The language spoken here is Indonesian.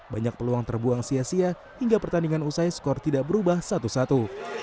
banyak peluang terbuang sia sia hingga pertandingan usai skor tidak berubah satu satu